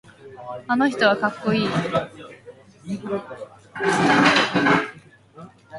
あの人はかっこいい。